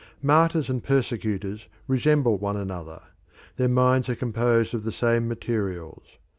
Martyrs and persecutors resemble one another; their minds are composed of the same materials.